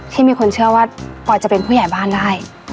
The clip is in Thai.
ที่มีคนเชื่อว่าปอยจะเป็นผู้ใหญ่บ้านได้